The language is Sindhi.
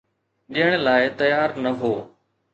ڏيڻ لاءِ تيار نه هو.